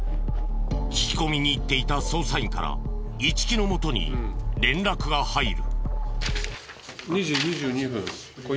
聞き込みに行っていた捜査員から一木の元に連絡が入る。